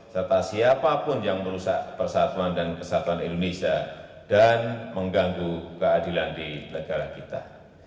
serta siapapun yang merusak persatuan dan kesatuan indonesia dan mengganggu keadilan di negara kita